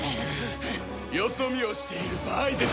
よそ見をしている場合ですか？